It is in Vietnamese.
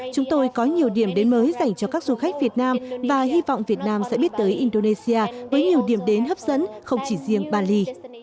chúng tôi có nhiều điểm đến mới dành cho các du khách việt nam và hy vọng việt nam sẽ biết tới indonesia với nhiều điểm đến hấp dẫn không chỉ riêng bali